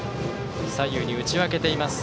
左右に打ち分けています。